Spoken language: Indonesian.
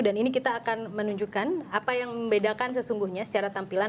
dan ini kita akan menunjukkan apa yang membedakan sesungguhnya secara tampilan